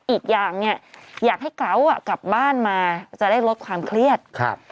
อีกอย่างเนี่ยอยากให้เกาะกลับบ้านมาจะได้ลดความเครียดครับ